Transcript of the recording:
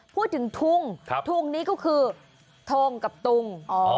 พูดถึงทุ่งทุงนี้ก็คือทงกับตุง